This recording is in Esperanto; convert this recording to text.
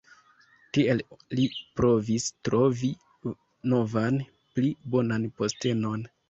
Tiel li provis trovi novan pli bonan postenon.